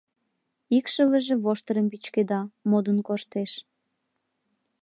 Икшывыже воштырым пӱчкеда, модын коштеш.